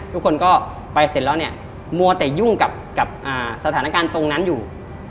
ทุกคนก็ไปเสร็จแล้วเนี่ยมัวแต่ยุ่งกับสถานการณ์ตรงนั้นอยู่